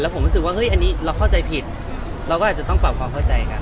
แล้วผมว่านี่เราข้อใจผิดแล้วผมอาจจะต้องปรับความข้อใจก่อน